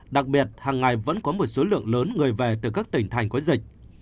đặc biệt hàng ngày vẫn có một số lượng lớn người về từ các tỉnh thành có dịch